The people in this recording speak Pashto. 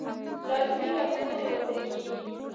لازمې لارښوونې ورته کېږي.